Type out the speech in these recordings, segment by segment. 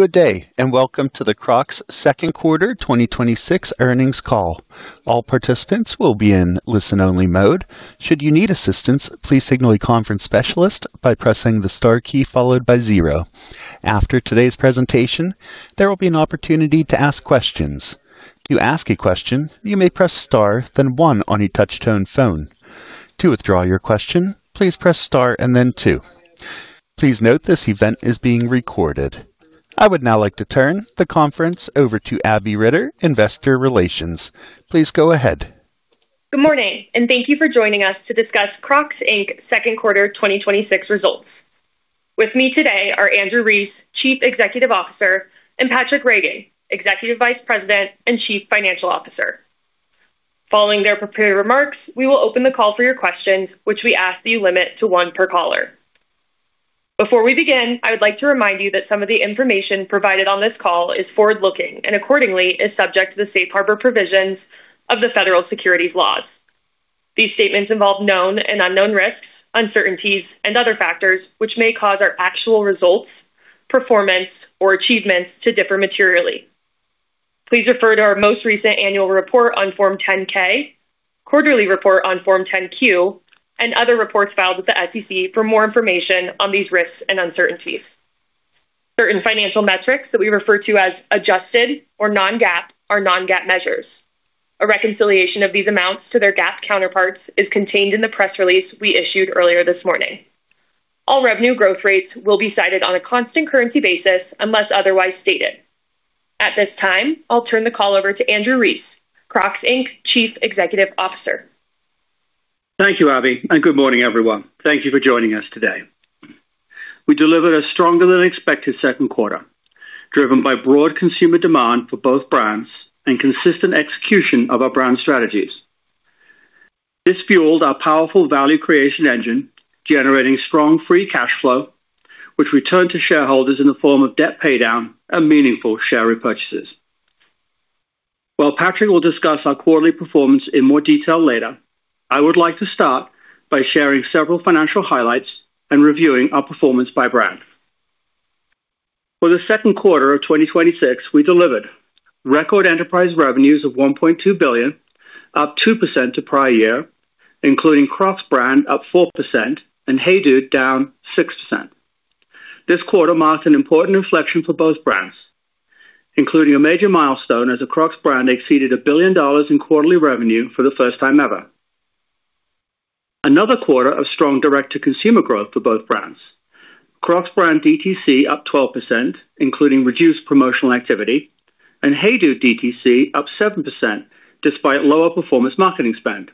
Good day, and welcome to the Crocs second quarter 2026 earnings call. All participants will be in listen-only mode. Should you need assistance, please signal a conference specialist by pressing the star key followed by zero. After today's presentation, there will be an opportunity to ask questions. To ask a question, you may press star then one on your touch-tone phone. To withdraw your question, please press star and then two. Please note this event is being recorded. I would now like to turn the conference over to Abigail Ritter, investor relations. Please go ahead. Good morning. Thank you for joining us to discuss Crocs Inc.'s second quarter 2026 results. With me today are Andrew Rees, Chief Executive Officer, and Patraic Reagan, Executive Vice President and Chief Financial Officer. Following their prepared remarks, we will open the call for your questions, which we ask that you limit to one per caller. Before we begin, I would like to remind you that some of the information provided on this call is forward-looking and accordingly is subject to the safe harbor provisions of the federal securities laws. These statements involve known and unknown risks, uncertainties, and other factors which may cause our actual results, performance, or achievements to differ materially. Please refer to our most recent annual report on Form 10-K, quarterly report on Form 10-Q, and other reports filed with the SEC for more information on these risks and uncertainties. Certain financial metrics that we refer to as adjusted or non-GAAP are non-GAAP measures. A reconciliation of these amounts to their GAAP counterparts is contained in the press release we issued earlier this morning. All revenue growth rates will be cited on a constant currency basis unless otherwise stated. At this time, I'll turn the call over to Andrew Rees, Crocs Inc.'s Chief Executive Officer. Thank you, Abby. Good morning, everyone. Thank you for joining us today. We delivered a stronger-than-expected second quarter, driven by broad consumer demand for both brands and consistent execution of our brand strategies. This fueled our powerful value creation engine, generating strong free cash flow, which we turned to shareholders in the form of debt paydown and meaningful share repurchases. While Patraic will discuss our quarterly performance in more detail later, I would like to start by sharing several financial highlights and reviewing our performance by brand. For the second quarter of 2026, we delivered record enterprise revenues of $1.2 billion, up 2% to prior year, including Crocs brand up 4% and HEYDUDE down 6%. This quarter marks an important inflection for both brands, including a major milestone as the Crocs brand exceeded $1 billion in quarterly revenue for the first time ever. Another quarter of strong direct-to-consumer growth for both brands. Crocs brand DTC up 12%, including reduced promotional activity, and HEYDUDE DTC up 7% despite lower performance marketing spend.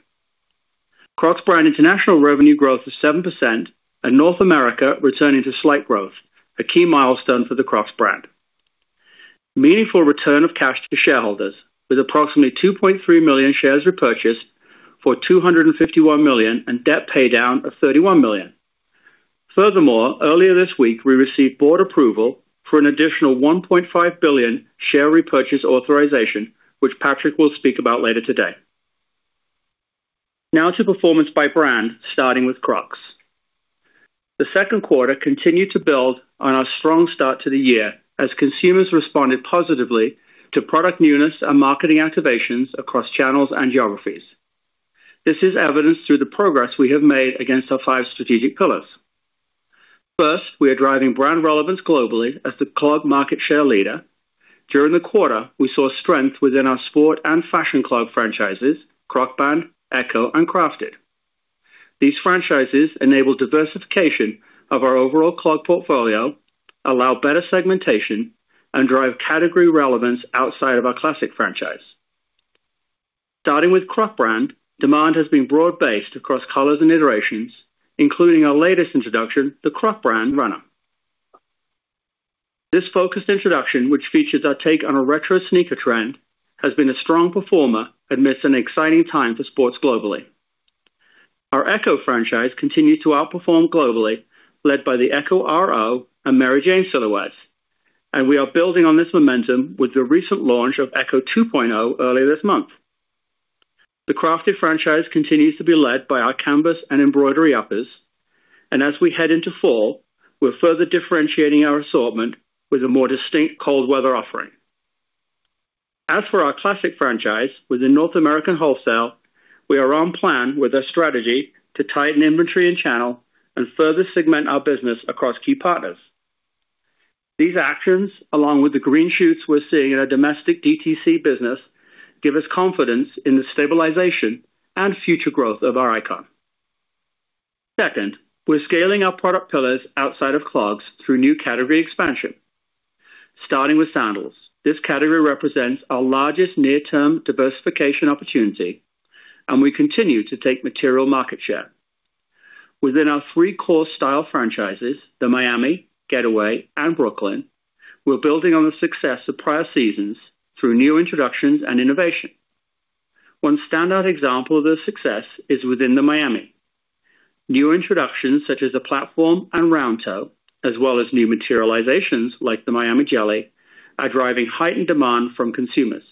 Crocs brand international revenue growth was 7% and North America returning to slight growth, a key milestone for the Crocs brand. Meaningful return of cash to shareholders with approximately 2.3 million shares repurchased for $251 million and debt paydown of $31 million. Furthermore, earlier this week, we received board approval for an additional $1.5 billion share repurchase authorization, which Patraic will speak about later today. Now to performance by brand, starting with Crocs. The second quarter continued to build on our strong start to the year as consumers responded positively to product newness and marketing activations across channels and geographies. This is evidenced through the progress we have made against our five strategic pillars. First, we are driving brand relevance globally as the clog market share leader. During the quarter, we saw strength within our sport and fashion clog franchises, Crocband, Echo, and Crafted. These franchises enable diversification of our overall clog portfolio, allow better segmentation, and drive category relevance outside of our classic franchise. Starting with Crocband, demand has been broad-based across colors and iterations, including our latest introduction, the Crocband Runner. This focused introduction, which features our take on a retro sneaker trend, has been a strong performer amidst an exciting time for sports globally. Our Echo franchise continued to outperform globally, led by the Echo RO Clog and Mary Jane silhouettes, and we are building on this momentum with the recent launch of Echo II earlier this month. The Crafted franchise continues to be led by our canvas and embroidery uppers, and as we head into fall, we're further differentiating our assortment with a more distinct cold weather offering. As for our classic franchise within North American wholesale, we are on plan with our strategy to tighten inventory and channel and further segment our business across key partners. These actions, along with the green shoots we're seeing in our domestic DTC business, give us confidence in the stabilization and future growth of our icon. Second, we're scaling our product pillars outside of clogs through new category expansion. Starting with sandals. This category represents our largest near-term diversification opportunity, and we continue to take material market share. Within our three core style franchises, the Miami, Getaway, and Brooklyn, we're building on the success of prior seasons through new introductions and innovation. One standout example of their success is within the Miami. New introductions such as the platform and round toe, as well as new materializations like the Miami Jelly, are driving heightened demand from consumers.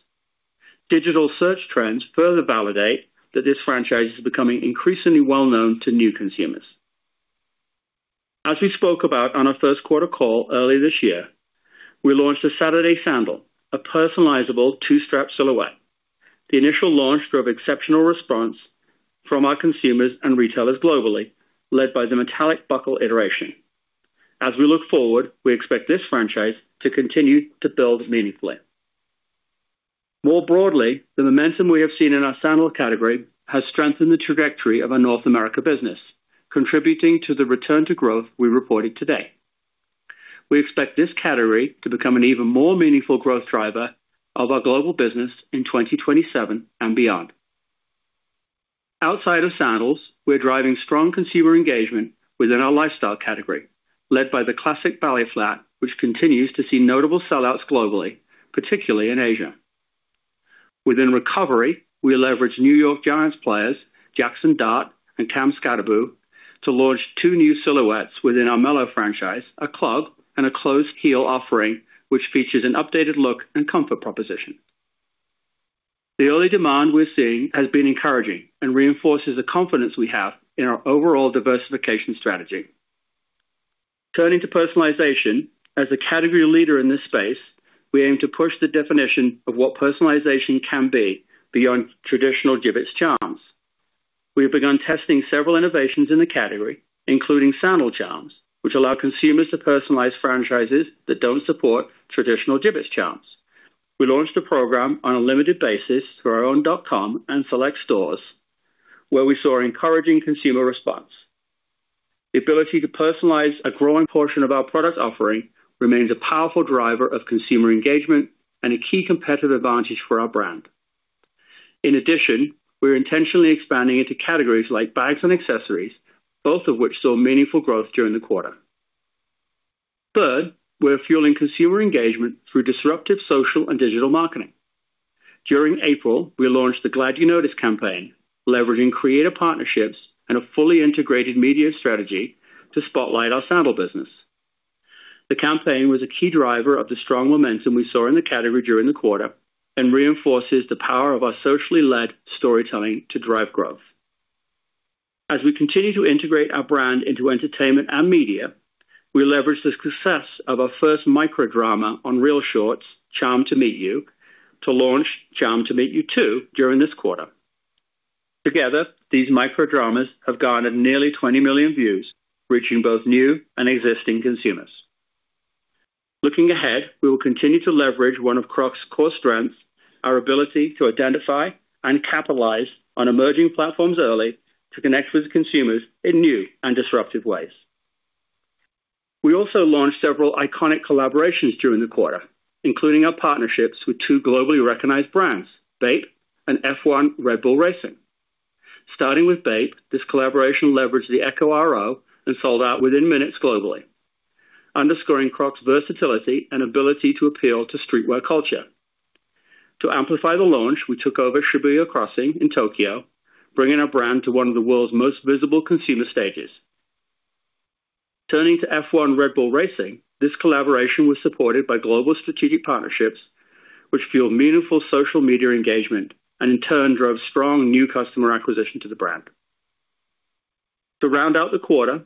Digital search trends further validate that this franchise is becoming increasingly well-known to new consumers. As we spoke about on our first quarter call early this year, we launched a Saturday Sandal, a personalizable two-strap silhouette. The initial launch drove exceptional response from our consumers and retailers globally, led by the metallic buckle iteration. As we look forward, we expect this franchise to continue to build meaningfully. More broadly, the momentum we have seen in our sandal category has strengthened the trajectory of our North America business, contributing to the return to growth we reported today. We expect this category to become an even more meaningful growth driver of our global business in 2027 and beyond. Outside of sandals, we're driving strong consumer engagement within our lifestyle category, led by the classic ballet flat, which continues to see notable sell-outs globally, particularly in Asia. Within recovery, we leverage New York Giants players Jaxson Dart and Cam Skattebo to launch two new silhouettes within our Mellow franchise, a clog, and a closed heel offering, which features an updated look and comfort proposition. The early demand we're seeing has been encouraging and reinforces the confidence we have in our overall diversification strategy. Turning to personalization. As a category leader in this space, we aim to push the definition of what personalization can be beyond traditional Jibbitz charms. We have begun testing several innovations in the category, including sandal charms, which allow consumers to personalize franchises that don't support traditional Jibbitz charms. We launched the program on a limited basis through our own dot-com and select stores, where we saw encouraging consumer response. The ability to personalize a growing portion of our product offering remains a powerful driver of consumer engagement and a key competitive advantage for our brand. In addition, we are intentionally expanding into categories like bags and accessories, both of which saw meaningful growth during the quarter. Third, we're fueling consumer engagement through disruptive social and digital marketing. During April, we launched the Glad You Notice campaign, leveraging creative partnerships and a fully integrated media strategy to spotlight our sandal business. The campaign was a key driver of the strong momentum we saw in the category during the quarter and reinforces the power of our socially led storytelling to drive growth. As we continue to integrate our brand into entertainment and media, we leverage the success of our first micro-drama on ReelShort, "Charmed to Meet You," to launch "Charmed to Meet You 2" during this quarter. Together, these micro-dramas have garnered nearly 20 million views, reaching both new and existing consumers. Looking ahead, we will continue to leverage one of Crocs' core strengths, our ability to identify and capitalize on emerging platforms early to connect with consumers in new and disruptive ways. We also launched several iconic collaborations during the quarter, including our partnerships with two globally recognized brands, BAPE and F1 Red Bull Racing. Starting with BAPE, this collaboration leveraged the Echo RO and sold out within minutes globally, underscoring Crocs' versatility and ability to appeal to streetwear culture. To amplify the launch, we took over Shibuya Crossing in Tokyo, bringing our brand to one of the world's most visible consumer stages. Turning to F1 Red Bull Racing, this collaboration was supported by global strategic partnerships, which fueled meaningful social media engagement, and in turn, drove strong new customer acquisition to the brand. To round out the quarter,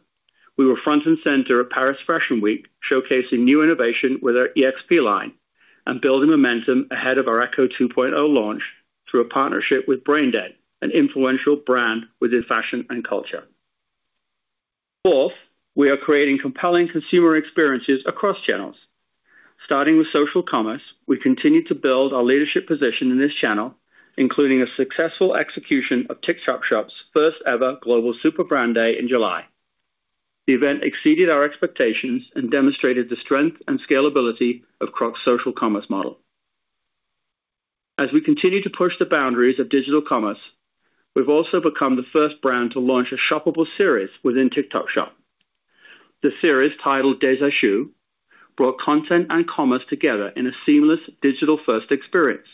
we were front and center at Paris Fashion Week, showcasing new innovation with our EXP line and building momentum ahead of our Echo 2.0 launch through a partnership with Brain Dead, an influential brand within fashion and culture. Fourth, we are creating compelling consumer experiences across channels. Starting with social commerce, we continue to build our leadership position in this channel, including a successful execution of TikTok Shop's first-ever global Super Brand Day in July. The event exceeded our expectations and demonstrated the strength and scalability of Crocs' social commerce model. As we continue to push the boundaries of digital commerce, we've also become the first brand to launch a shoppable series within TikTok Shop. The series, titled "Déjà Shoe," brought content and commerce together in a seamless digital-first experience.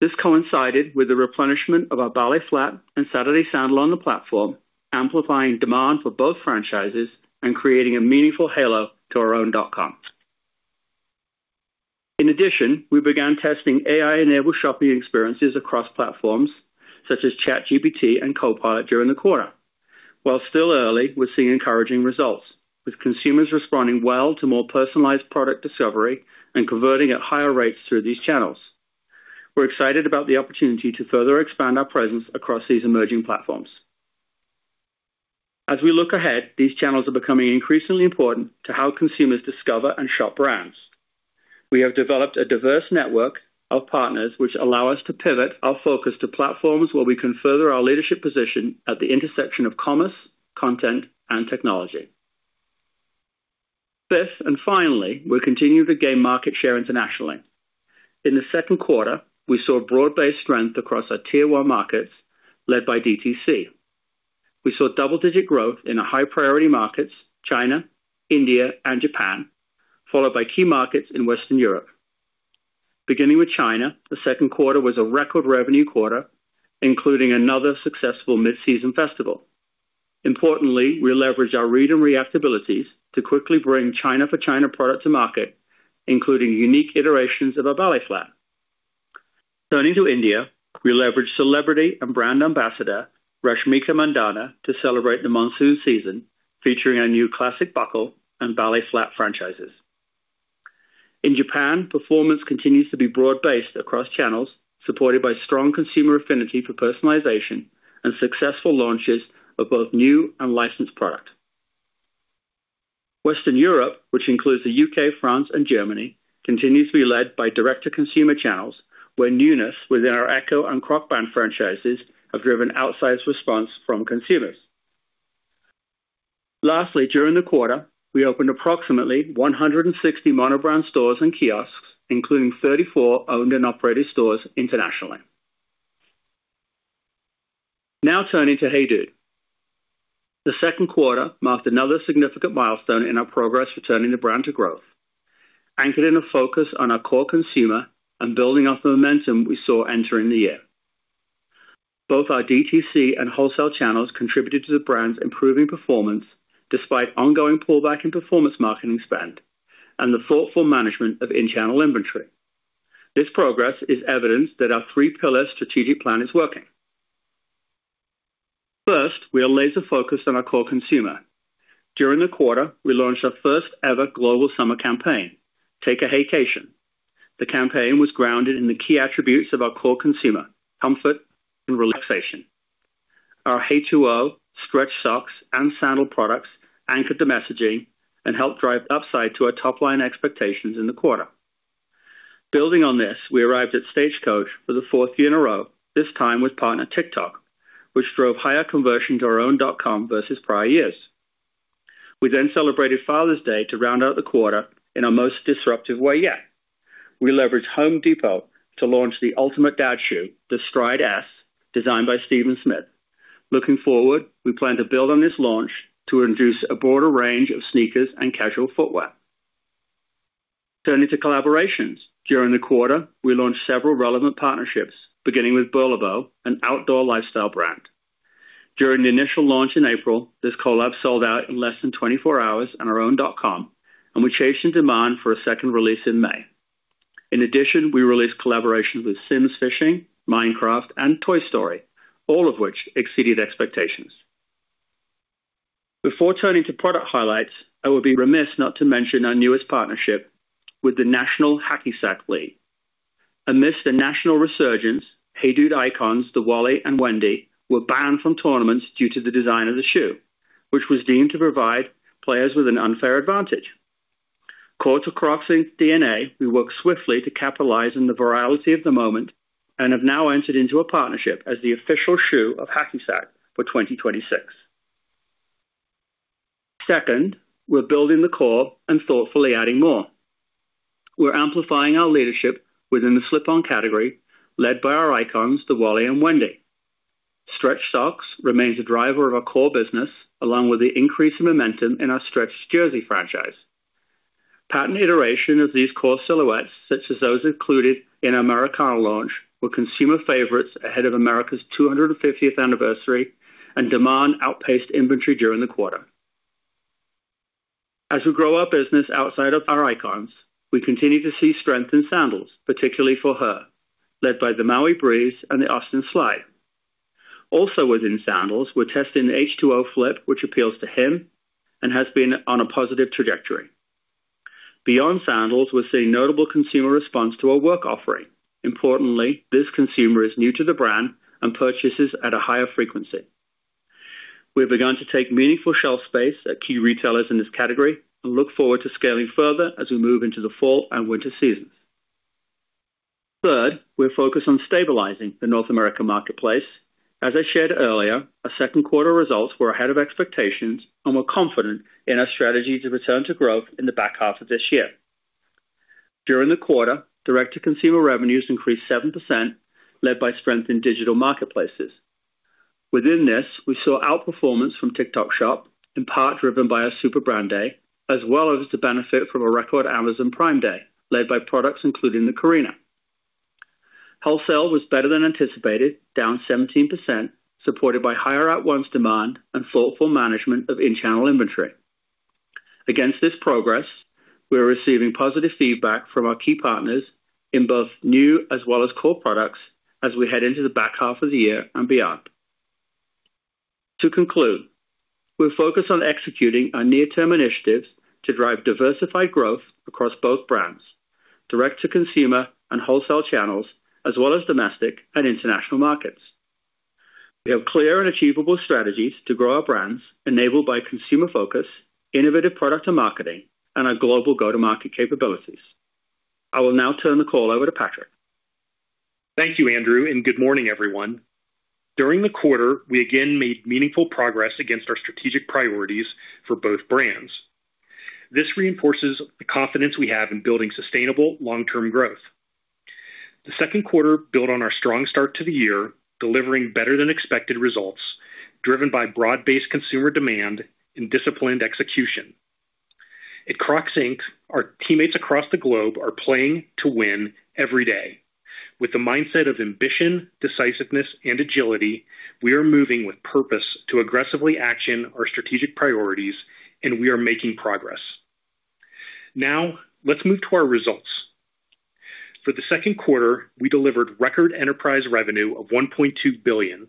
This coincided with the replenishment of our ballet flat and Saturday Sandal on the platform, amplifying demand for both franchises and creating a meaningful halo to our own dot coms. In addition, we began testing AI-enabled shopping experiences across platforms such as ChatGPT and Copilot during the quarter. While still early, we're seeing encouraging results, with consumers responding well to more personalized product discovery and converting at higher rates through these channels. We're excited about the opportunity to further expand our presence across these emerging platforms. As we look ahead, these channels are becoming increasingly important to how consumers discover and shop brands. We have developed a diverse network of partners which allow us to pivot our focus to platforms where we can further our leadership position at the intersection of commerce, content, and technology. Fifth, finally, we're continuing to gain market share internationally. In the second quarter, we saw broad-based strength across our Tier 1 markets, led by DTC. We saw double-digit growth in our high-priority markets, China, India and Japan, followed by key markets in Western Europe. Beginning with China, the second quarter was a record revenue quarter, including another successful mid-season festival. Importantly, we leverage our read and react abilities to quickly bring China for China product to market, including unique iterations of our ballet flat. Turning to India, we leverage celebrity and brand ambassador Rashmika Mandanna to celebrate the monsoon season, featuring our new classic buckle and ballet flat franchises. In Japan, performance continues to be broad-based across channels, supported by strong consumer affinity for personalization and successful launches of both new and licensed product. Western Europe, which includes the U.K., France, and Germany, continues to be led by direct-to-consumer channels, where newness within our Echo and Crocband franchises have driven outsized response from consumers. Lastly, during the quarter, we opened approximately 160 mono-brand stores and kiosks, including 34 owned and operated stores internationally. Now turning to HEYDUDE. The second quarter marked another significant milestone in our progress for turning the brand to growth, anchored in a focus on our core consumer and building off the momentum we saw entering the year. Both our DTC and wholesale channels contributed to the brand's improving performance, despite ongoing pullback in performance marketing spend and the thoughtful management of in-channel inventory. This progress is evidence that our three-pillar strategic plan is working. First, we are laser-focused on our core consumer. During the quarter, we launched our first-ever global summer campaign, Take a HEYCATION. The campaign was grounded in the key attributes of our core consumer: comfort and relaxation. Our H2O stretch socks and sandal products anchored the messaging and helped drive upside to our top-line expectations in the quarter. Building on this, we arrived at Stagecoach for the fourth year in a row, this time with partner TikTok, which drove higher conversion to our own dot com versus prior years. We then celebrated Father's Day to round out the quarter in our most disruptive way yet. We leveraged Home Depot to launch the ultimate dad shoe, the Stride S, designed by Steven Smith. Looking forward, we plan to build on this launch to introduce a broader range of sneakers and casual footwear. Turning to collaborations. During the quarter, we launched several relevant partnerships, beginning with Bulova, an outdoor lifestyle brand. During the initial launch in April, this collab sold out in less than 24 hours on our own dot-com, and we chased in demand for a second release in May. In addition, we released collaborations with Simms Fishing, Minecraft, and Toy Story, all of which exceeded expectations. Before turning to product highlights, I would be remiss not to mention our newest partnership with the National Hacky Sack Association. Amidst a national resurgence, HEYDUDE icons, the Wally and Wendy, were banned from tournaments due to the design of the shoe, which was deemed to provide players with an unfair advantage. Core to Crocs' DNA, we worked swiftly to capitalize on the virality of the moment and have now entered into a partnership as the official shoe of hacky sack for 2026. Second, we're building the core and thoughtfully adding more. We're amplifying our leadership within the slip-on category, led by our icons, the Wally and Wendy. Stretch socks remains a driver of our core business, along with the increase in momentum in our stretched jersey franchise. Patent iteration of these core silhouettes, such as those included in our Americana launch, were consumer favorites ahead of America's 250th anniversary, and demand outpaced inventory during the quarter. As we grow our business outside of our icons, we continue to see strength in sandals, particularly for her, led by the Maui Breeze and the Austin Slide. Also within sandals, we're testing the H2O Flip, which appeals to him and has been on a positive trajectory. Beyond sandals, we're seeing notable consumer response to our work offering. Importantly, this consumer is new to the brand and purchases at a higher frequency. We've begun to take meaningful shelf space at key retailers in this category and look forward to scaling further as we move into the fall and winter seasons. Third, we're focused on stabilizing the North America marketplace. As I shared earlier, our second quarter results were ahead of expectations, and we're confident in our strategy to return to growth in the back half of this year. During the quarter, direct-to-consumer revenues increased 7%, led by strength in digital marketplaces. Within this, we saw outperformance from TikTok Shop, in part driven by our Super Brand Day, as well as the benefit from a record Amazon Prime Day, led by products including the Karina. Wholesale was better than anticipated, down 17%, supported by higher at-once demand and thoughtful management of in-channel inventory. Against this progress, we are receiving positive feedback from our key partners in both new as well as core products as we head into the back half of the year and beyond. To conclude, we're focused on executing our near-term initiatives to drive diversified growth across both brands, direct to consumer and wholesale channels, as well as domestic and international markets. We have clear and achievable strategies to grow our brands enabled by consumer focus, innovative product and marketing, and our global go-to-market capabilities. I will now turn the call over to Patraic. Thank you, Andrew, and good morning, everyone. During the quarter, we again made meaningful progress against our strategic priorities for both brands. This reinforces the confidence we have in building sustainable long-term growth. The second quarter built on our strong start to the year, delivering better-than-expected results driven by broad-based consumer demand and disciplined execution. At Crocs, Inc., our teammates across the globe are playing to win every day. With the mindset of ambition, decisiveness, and agility, we are moving with purpose to aggressively action our strategic priorities, and we are making progress. Now, let's move to our results. For the second quarter, we delivered record enterprise revenue of $1.2 billion,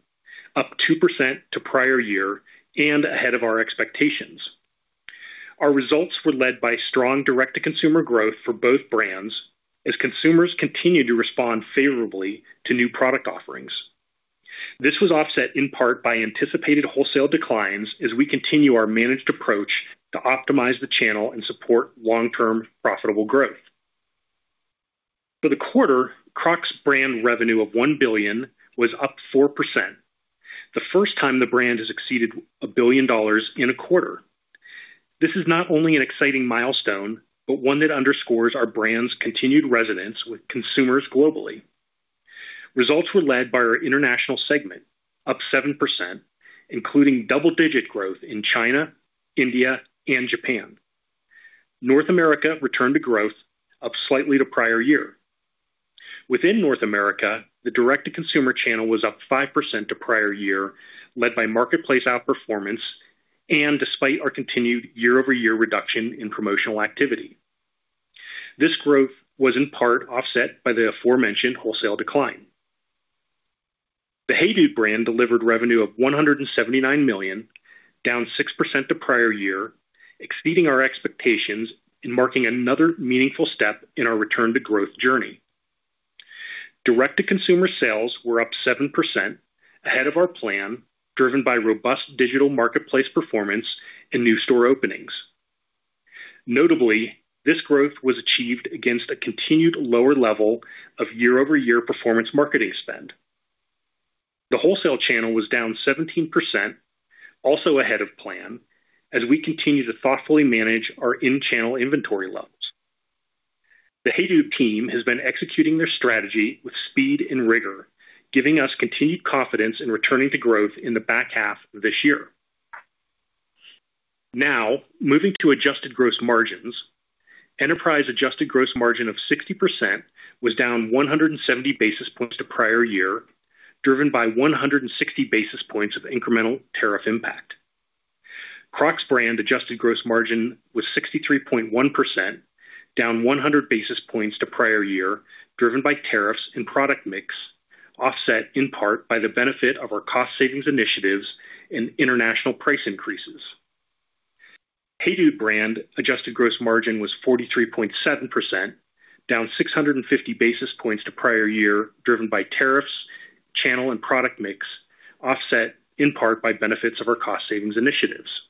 up 2% to prior year, and ahead of our expectations. Our results were led by strong direct-to-consumer growth for both brands as consumers continued to respond favorably to new product offerings. This was offset in part by anticipated wholesale declines as we continue our managed approach to optimize the channel and support long-term profitable growth. For the quarter, Crocs brand revenue of $1 billion was up 4%. The first time the brand has exceeded $1 billion in a quarter. This is not only an exciting milestone, but one that underscores our brand's continued resonance with consumers globally. Results were led by our international segment, up 7%, including double-digit growth in China, India, and Japan. North America returned to growth, up slightly to prior year. Within North America, the direct-to-consumer channel was up 5% to prior year, led by marketplace outperformance and despite our continued year-over-year reduction in promotional activity. This growth was in part offset by the aforementioned wholesale decline. The HEYDUDE brand delivered revenue of $179 million, down 6% to prior year, exceeding our expectations and marking another meaningful step in our return to growth journey. Direct-to-consumer sales were up 7%, ahead of our plan, driven by robust digital marketplace performance and new store openings. Notably, this growth was achieved against a continued lower level of year-over-year performance marketing spend. The wholesale channel was down 17%, also ahead of plan, as we continue to thoughtfully manage our in-channel inventory levels. The HEYDUDE team has been executing their strategy with speed and rigor, giving us continued confidence in returning to growth in the back half of this year. Now, moving to adjusted gross margins. Enterprise adjusted gross margin of 60% was down 170 basis points to prior year, driven by 160 basis points of incremental tariff impact. Crocs brand adjusted gross margin was 63.1%, down 100 basis points to prior year, driven by tariffs and product mix, offset in part by the benefit of our cost savings initiatives and international price increases. HEYDUDE brand adjusted gross margin was 43.7%, down 650 basis points to prior year, driven by tariffs, channel, and product mix, offset in part by benefits of our cost savings initiatives.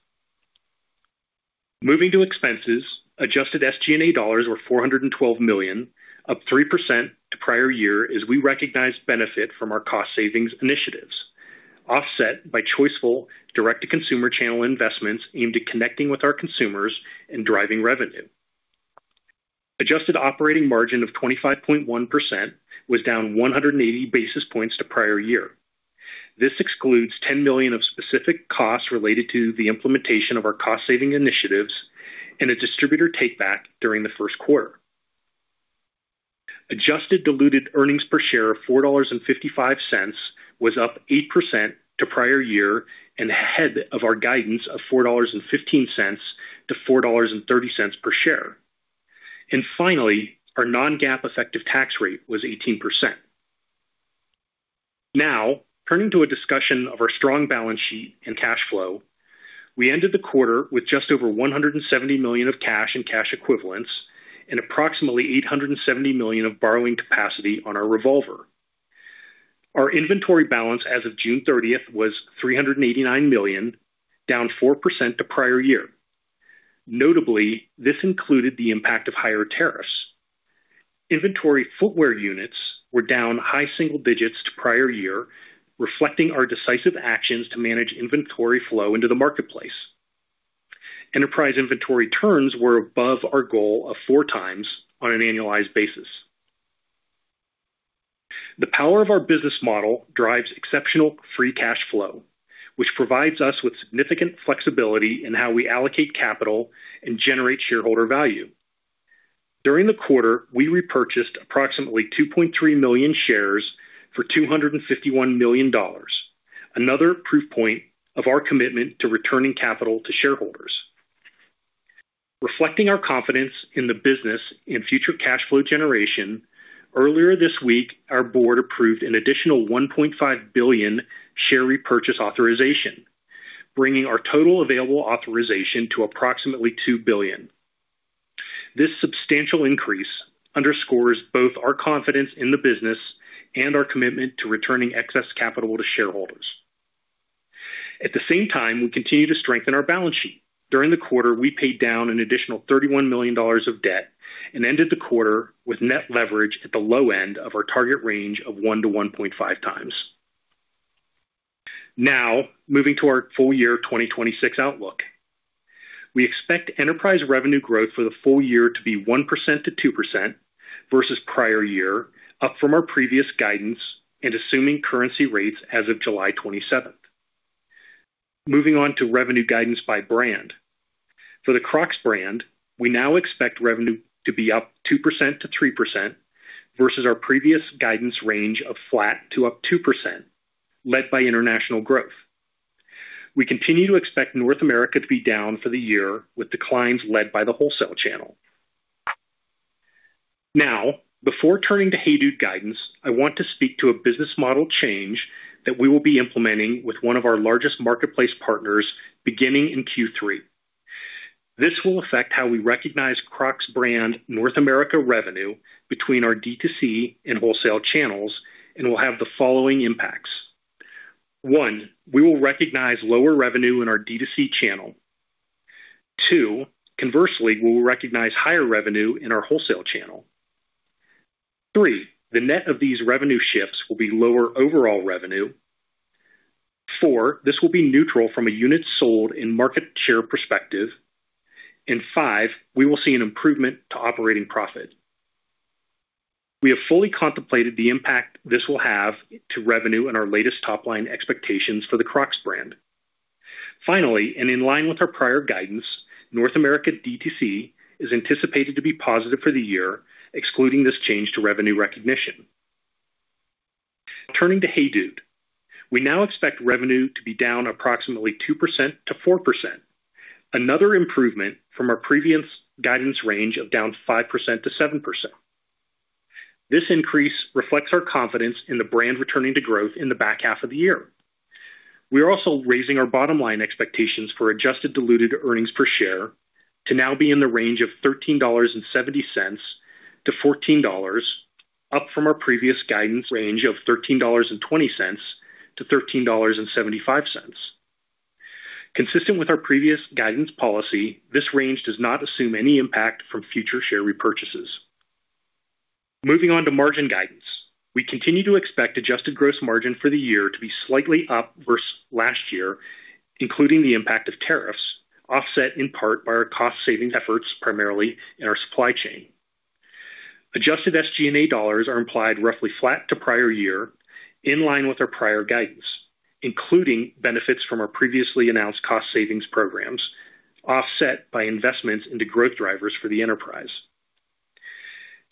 Moving to expenses, adjusted SG&A dollars were $412 million, up 3% to prior year as we recognized benefit from our cost savings initiatives, offset by choiceful direct-to-consumer channel investments aimed at connecting with our consumers and driving revenue. Adjusted operating margin of 25.1% was down 180 basis points to prior year. This excludes $10 million of specific costs related to the implementation of our cost-saving initiatives and a distributor take-back during the first quarter. Adjusted diluted earnings per share of $4.55 was up 8% to prior year and ahead of our guidance of $4.15-$4.30 per share. Finally, our non-GAAP effective tax rate was 18%. Turning to a discussion of our strong balance sheet and cash flow. We ended the quarter with just over $170 million of cash and cash equivalents and approximately $870 million of borrowing capacity on our revolver. Our inventory balance as of June 30th was $389 million, down 4% to prior year. Notably, this included the impact of higher tariffs. Inventory footwear units were down high single digits to prior year, reflecting our decisive actions to manage inventory flow into the marketplace. Enterprise inventory turns were above our goal of four times on an annualized basis. The power of our business model drives exceptional free cash flow, which provides us with significant flexibility in how we allocate capital and generate shareholder value. During the quarter, we repurchased approximately 2.3 million shares for $251 million. Another proof point of our commitment to returning capital to shareholders. Reflecting our confidence in the business and future cash flow generation, earlier this week, our board approved an additional $1.5 billion share repurchase authorization, bringing our total available authorization to approximately $2 billion. This substantial increase underscores both our confidence in the business and our commitment to returning excess capital to shareholders. At the same time, we continue to strengthen our balance sheet. During the quarter, we paid down an additional $31 million of debt and ended the quarter with net leverage at the low end of our target range of 1x-1.5x. Moving to our full year 2026 outlook. We expect enterprise revenue growth for the full year to be 1%-2% versus prior year, up from our previous guidance and assuming currency rates as of July 27th. Moving on to revenue guidance by brand. For the Crocs brand, we now expect revenue to be up 2%-3% versus our previous guidance range of flat to up 2%, led by international growth. We continue to expect North America to be down for the year, with declines led by the wholesale channel. Before turning to HEYDUDE guidance, I want to speak to a business model change that we will be implementing with one of our largest marketplace partners beginning in Q3. This will affect how we recognize Crocs brand North America revenue between our D2C and wholesale channels and will have the following impacts. One, we will recognize lower revenue in our D2C channel. Two, conversely, we will recognize higher revenue in our wholesale channel. Three, the net of these revenue shifts will be lower overall revenue. Four, this will be neutral from a unit sold in market share perspective. Five, we will see an improvement to operating profit. We have fully contemplated the impact this will have to revenue and our latest top-line expectations for the Crocs brand. Finally, and in line with our prior guidance, North America D2C is anticipated to be positive for the year, excluding this change to revenue recognition. Turning to HEYDUDE. We now expect revenue to be down approximately 2%-4%, another improvement from our previous guidance range of down 5%-7%. This increase reflects our confidence in the brand returning to growth in the back half of the year. We are also raising our bottom-line expectations for adjusted diluted earnings per share to now be in the range of $13.70-$14, up from our previous guidance range of $13.20-$13.75. Consistent with our previous guidance policy, this range does not assume any impact from future share repurchases. Moving on to margin guidance. We continue to expect adjusted gross margin for the year to be slightly up versus last year, including the impact of tariffs, offset in part by our cost-savings efforts, primarily in our supply chain. Adjusted SG&A dollars are implied roughly flat to prior year, in line with our prior guidance, including benefits from our previously announced cost-savings programs, offset by investments into growth drivers for the enterprise.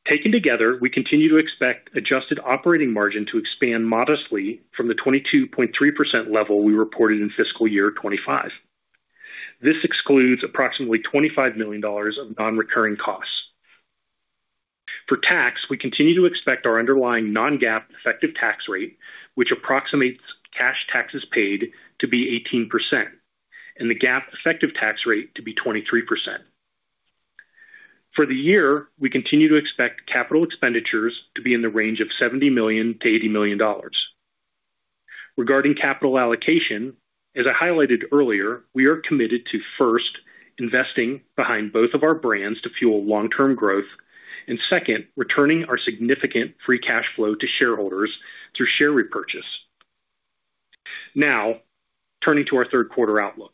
Taken together, we continue to expect adjusted operating margin to expand modestly from the 22.3% level we reported in fiscal year 2025. This excludes approximately $25 million of non-recurring costs. For tax, we continue to expect our underlying non-GAAP effective tax rate, which approximates cash taxes paid, to be 18% and the GAAP effective tax rate to be 23%. For the year, we continue to expect capital expenditures to be in the range of $70 million-$80 million. Regarding capital allocation, as I highlighted earlier, we are committed to, first, investing behind both of our brands to fuel long-term growth and second, returning our significant free cash flow to shareholders through share repurchase. Turning to our third quarter outlook.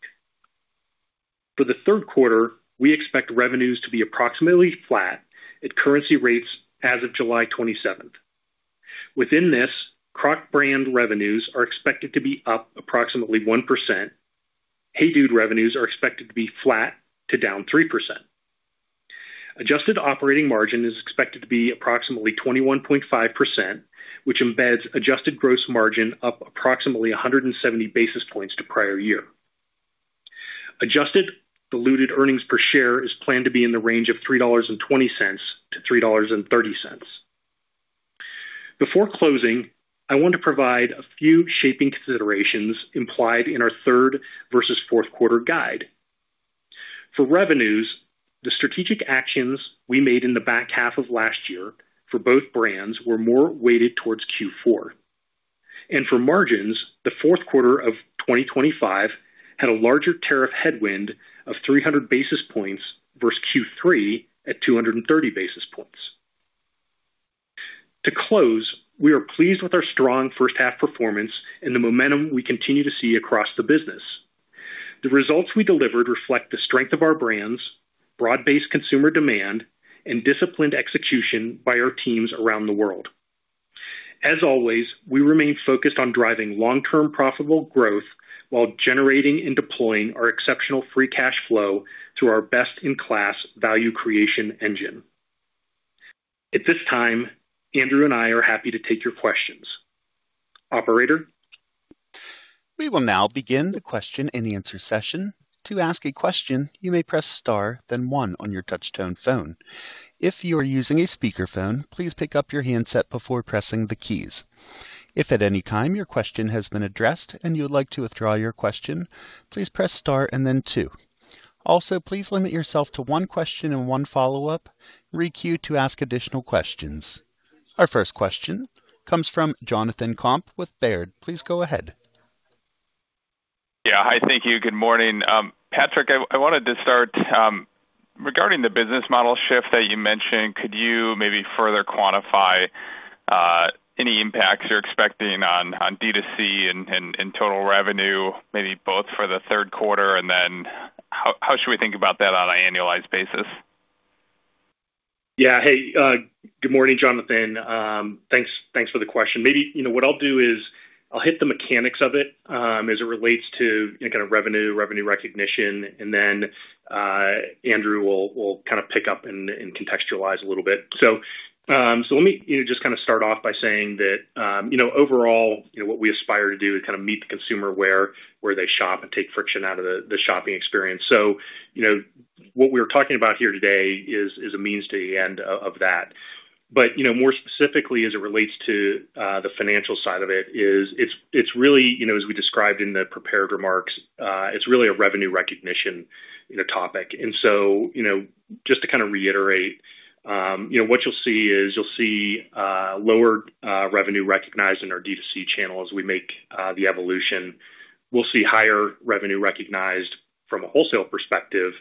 For the third quarter, we expect revenues to be approximately flat at currency rates as of July 27th. Within this, Crocs brand revenues are expected to be up approximately 1%. HEYDUDE revenues are expected to be flat to down 3%. Adjusted operating margin is expected to be approximately 21.5%, which embeds adjusted gross margin up approximately 170 basis points to prior year. Adjusted diluted earnings per share is planned to be in the range of $3.20-$3.30. Before closing, I want to provide a few shaping considerations implied in our third versus fourth quarter guide. For revenues, the strategic actions we made in the back half of last year for both brands were more weighted towards Q4. For margins, the fourth quarter of 2025 had a larger tariff headwind of 300 basis points versus Q3 at 230 basis points. To close, we are pleased with our strong first half performance and the momentum we continue to see across the business. The results we delivered reflect the strength of our brands, broad-based consumer demand, and disciplined execution by our teams around the world. As always, we remain focused on driving long-term profitable growth while generating and deploying our exceptional free cash flow through our best-in-class value creation engine. At this time, Andrew and I are happy to take your questions. Operator? We will now begin the question and answer session. To ask a question, you may press star then one on your touch-tone phone. If you are using a speakerphone, please pick up your handset before pressing the keys. If at any time your question has been addressed and you would like to withdraw your question, please press star and then two. Also, please limit yourself to one question and one follow-up. Re-queue to ask additional questions. Our first question comes from Jonathan Komp with Baird. Please go ahead. Yeah. Hi. Thank you. Good morning. Patraic, I wanted to start, regarding the business model shift that you mentioned, could you maybe further quantify any impacts you're expecting on D2C and in total revenue, maybe both for the third quarter? Then how should we think about that on an annualized basis? Yeah. Hey, good morning, Jonathan. Thanks for the question. Let me just start off by saying that overall, what we aspire to do is meet the consumer where they shop and take friction out of the shopping experience. What we're talking about here today is a means to the end of that. More specifically, as it relates to the financial side of it, as we described in the prepared remarks, it's really a revenue recognition topic. Just to reiterate, what you'll see is, you'll see lower revenue recognized in our D2C channel as we make the evolution. We'll see higher revenue recognized from a wholesale perspective.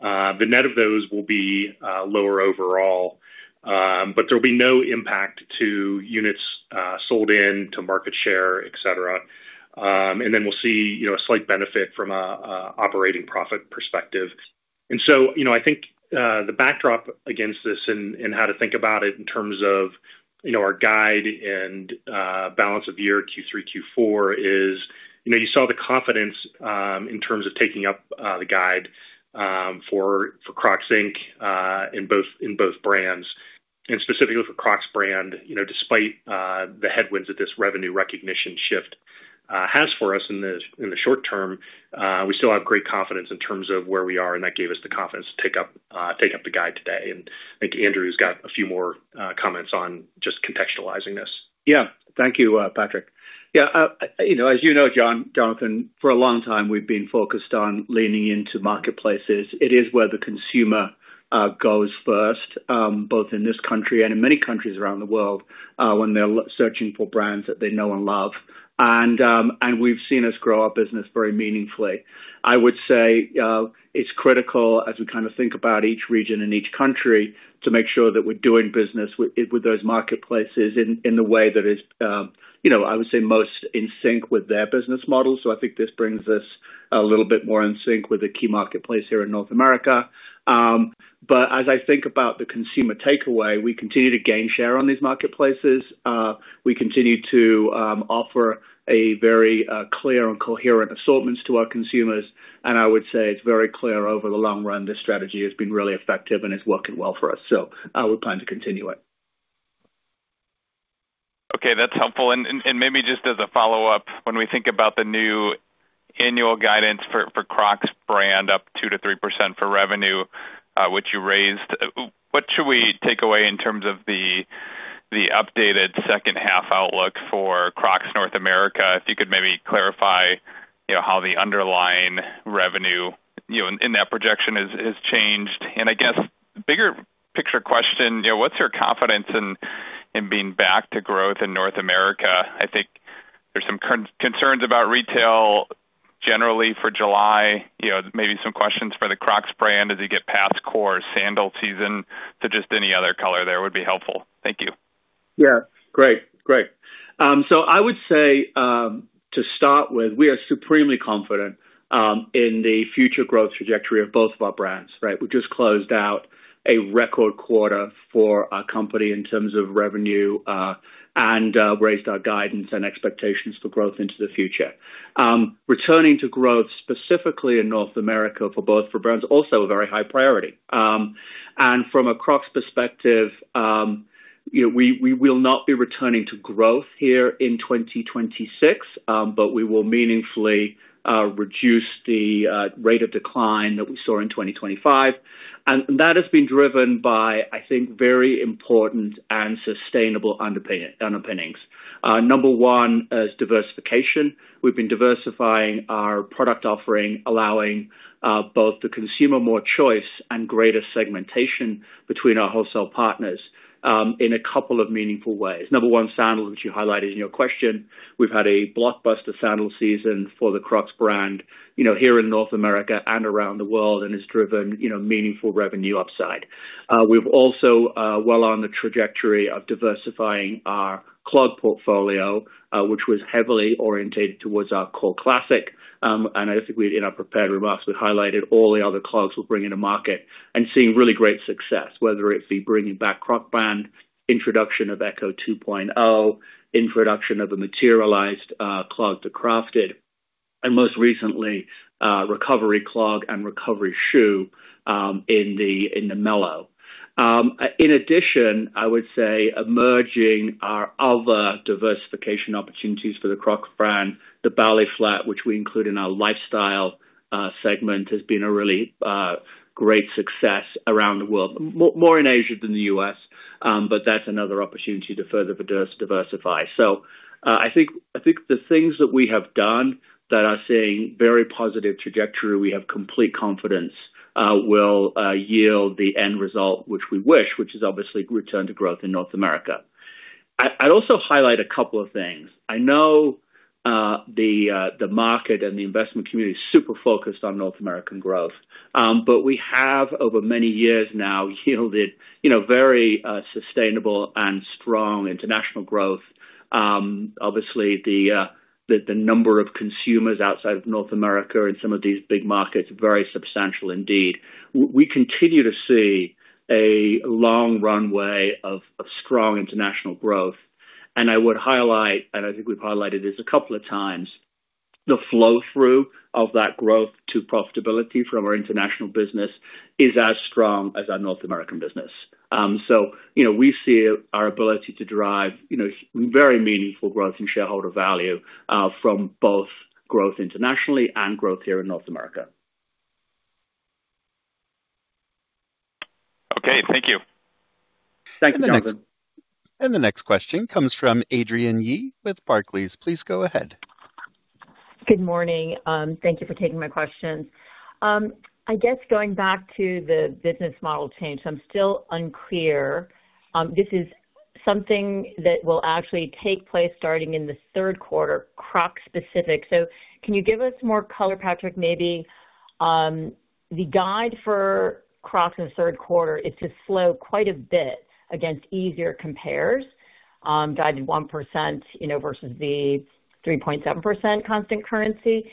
The net of those will be lower overall, but there'll be no impact to units sold in to market share, etc. We'll see a slight benefit from an operating profit perspective. I think the backdrop against this and how to think about it in terms of our guide and balance of year Q3, Q4 is, you saw the confidence in terms of taking up the guide for Crocs, Inc. in both brands. Specifically for Crocs brand, despite the headwinds that this revenue recognition shift has for us in the short term, we still have great confidence in terms of where we are, and that gave us the confidence to take up the guide today. I think Andrew's got a few more comments on just contextualizing this. Yeah. Thank you, Patraic. As you know, Jonathan, for a long time, we've been focused on leaning into marketplaces. It is where the consumer goes first, both in this country and in many countries around the world, when they're searching for brands that they know and love. We've seen this grow our business very meaningfully. I would say it's critical as we think about each region and each country to make sure that we're doing business with those marketplaces in the way that is, I would say, most in sync with their business model. I think this brings us a little bit more in sync with the key marketplace here in North America. As I think about the consumer takeaway, we continue to gain share on these marketplaces. We continue to offer a very clear and coherent assortments to our consumers. I would say it's very clear over the long run, this strategy has been really effective and is working well for us. We plan to continue it. Okay. That's helpful. Maybe just as a follow-up, when we think about the new annual guidance for Crocs brand up 2%-3% for revenue, which you raised, what should we take away in terms of the updated second half outlook for Crocs North America? If you could maybe clarify how the underlying revenue in that projection has changed. I guess, bigger picture question, what's your confidence in being back to growth in North America? I think there's some concerns about retail generally for July. Maybe some questions for the Crocs brand as you get past core sandal season to just any other color there would be helpful. Thank you. Yeah. Great. I would say, to start with, we are supremely confident in the future growth trajectory of both of our brands, right? We just closed out a record quarter for our company in terms of revenue and raised our guidance and expectations for growth into the future. Returning to growth, specifically in North America for both brands, also a very high priority. From a Crocs perspective, we will not be returning to growth here in 2026, but we will meaningfully reduce the rate of decline that we saw in 2025. That has been driven by, I think, very important and sustainable underpinnings. Number one is diversification. We've been diversifying our product offering, allowing both the consumer more choice and greater segmentation between our wholesale partners in a couple of meaningful ways. Number one, sandals, which you highlighted in your question. We've had a blockbuster sandal season for the Crocs brand here in North America and around the world, it's driven meaningful revenue upside. We're also well on the trajectory of diversifying our clog portfolio, which was heavily orientated towards our core classic. I think in our prepared remarks, we highlighted all the other clogs we're bringing to market and seeing really great success, whether it be bringing back Crocband, introduction of Echo 2.0, introduction of a materialized clog, the Crafted, and most recently, Recovery clog and Recovery shoe in the Mellow. In addition, I would say, emerging are other diversification opportunities for the Crocs brand. The Ballet Flat, which we include in our lifestyle segment, has been a really great success around the world. More in Asia than the U.S., but that's another opportunity to further diversify. I think the things that we have done that are seeing very positive trajectory, we have complete confidence will yield the end result which we wish, which is obviously return to growth in North America. I'd also highlight a couple of things. I know the market and the investment community is super focused on North American growth. We have, over many years now, yielded very sustainable and strong international growth. Obviously, the number of consumers outside of North America in some of these big markets are very substantial indeed. We continue to see a long runway of strong international growth. I would highlight, and I think we've highlighted this a couple of times, the flow-through of that growth to profitability from our international business is as strong as our North American business. We see our ability to drive very meaningful growth in shareholder value from both growth internationally and growth here in North America. Okay, thank you. Thanks, Jonathan. The next question comes from Adrienne Yih with Barclays. Please go ahead. Good morning. Thank you for taking my questions. I guess going back to the business model change, I'm still unclear. This is something that will actually take place starting in the third quarter, Crocs specific. Can you give us more color, Patraic? Maybe the guide for Crocs in the third quarter, it's just slow quite a bit against easier compares, guided 1% versus the 3.7% constant currency.